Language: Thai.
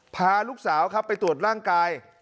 พาลูกสาวครับไปตรวจร่างกาย